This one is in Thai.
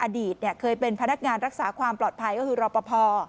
อดีตเคยเป็นพนักงานรักษาความปลอดภัยก็คือรอปภ